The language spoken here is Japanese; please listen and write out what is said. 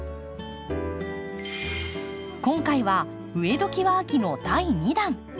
今回は「植えどきは秋！」の第２弾。